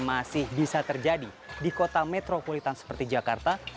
masih bisa terjadi di kota metropolitan seperti jakarta